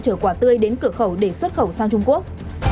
chở quả tươi đến cửa khẩu để xuất khẩu sang trung quốc